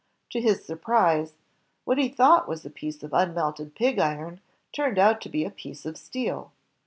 To his surprise, what he thou^t was a piece of unmelted pig iron turned out to be a piece of steel.